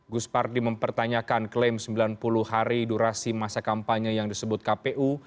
gus pardi mempertanyakan klaim sembilan puluh hari durasi masa kampanye yang disebut kpu